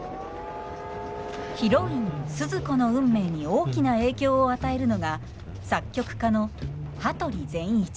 ヒロインスズ子の運命に大きな影響を与えるのが作曲家の羽鳥善一。